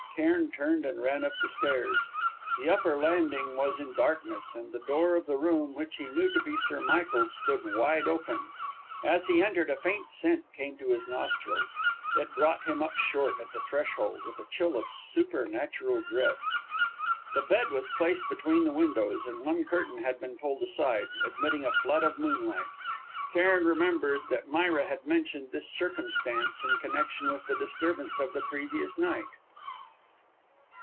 Cairn turned and ran up the stairs. The upper landing was in darkness and the door of the room which he knew to be Sir Michael's stood wide open. As he entered, a faint scent came to his nostrils. It brought him up short at the threshold, with a chill of supernatural dread. The bed was placed between the windows, and one curtain had been pulled aside, admitting a flood, of moonlight. Cairn remembered that Myra had mentioned this circumstance in connection with the disturbance of the previous night.